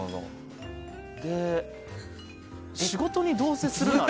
で、仕事にどうせするなら。